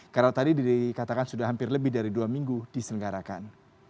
karena tadi dikatakan sudah hampir lebih dari dua minggu diselenggarakan